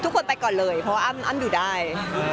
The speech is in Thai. ทุกคนไปก่อนเลยเพราะว่าอ้ำอ้ำอยู่ได้